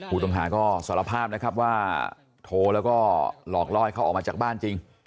ผู้ต้องหาก็สารภาพนะครับว่าโทรแล้วก็หลอกล่อให้เขาออกมาจากบ้านจริง